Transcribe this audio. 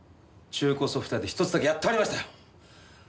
中古ソフト屋で１つだけやっとありましたよ。